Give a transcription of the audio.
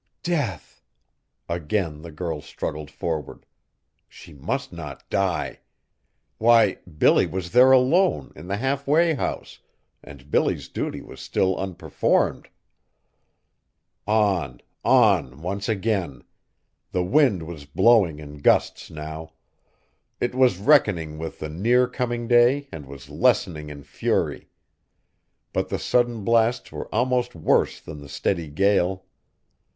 "Death!" Again the girl struggled forward. She must not die! Why, Billy was there alone, in the halfway house and Billy's duty was still unperformed. On, on once again! The wind was blowing in gusts now. It was reckoning with the near coming day and was lessening in fury. But the sudden blasts were almost worse than the steady gale.